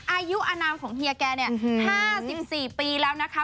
อายุอนามของเหี้ยแกห้าสิบสี่ปีแล้วนะคะ